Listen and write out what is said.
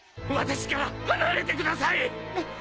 私から離れてください！